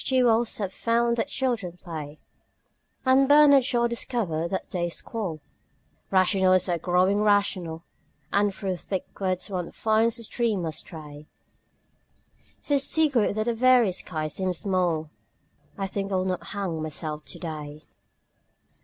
G. Wells has found that children play, And Bernard Shaw discovered that they squall; Rationalists are growing rational And through thick woods one finds a stream astray, So secret that the very sky seems small I think I will not hang myself today.